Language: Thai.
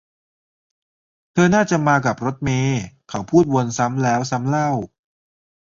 เธอน่าจะมากับรถเมย์ เขาพูดวนซ้ำแล้วซ้ำเล่า